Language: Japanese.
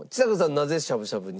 なぜしゃぶしゃぶに？